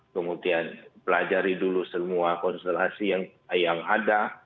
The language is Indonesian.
kemudian pelajari dulu semua konstelasi yang ada